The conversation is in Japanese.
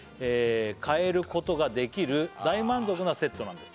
「かえることができる大満足なセットなんです」